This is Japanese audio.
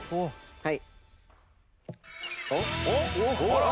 はい。